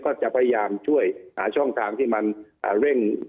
ก็จะพยายามช่วยหาช่องทางที่มันเร่ง